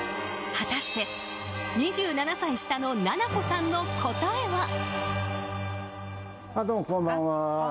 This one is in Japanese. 果たして２７歳下のななこさんの答えは。